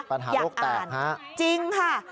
ปัญหาโลกแตกนะครับอย่าอ่านจริงค่ะอ๊ะ